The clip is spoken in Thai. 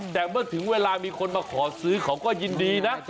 แต่เมื่อถึงเวลามีคนมาขอซื้อเขาก็ยินดีนะ